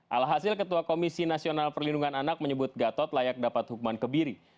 alhasil ketua komisi nasional perlindungan anak menyebut gatot layak dapat hukuman kebiri